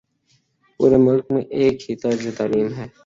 پورے ملک میں ایک ہی طرز تعلیم ہے۔